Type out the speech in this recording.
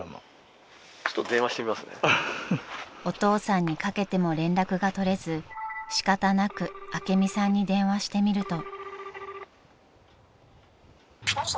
［お父さんにかけても連絡が取れず仕方なく朱美さんに電話してみると］